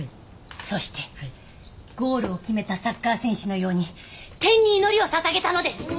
そしてゴールを決めたサッカー選手のように天に祈りを捧げたのです。